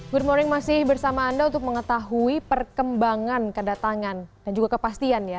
good morning masih bersama anda untuk mengetahui perkembangan kedatangan dan juga kepastian ya